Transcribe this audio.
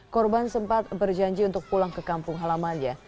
korban sempat berjanji untuk pulang ke kampung halamannya